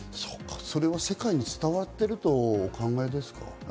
それは世界に伝わっているとお考えですか？